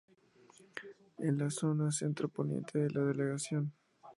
En la zona centro-poniente de la delegación.